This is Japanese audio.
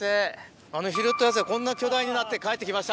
あの拾ったやつがこんな巨大になって帰って来ました。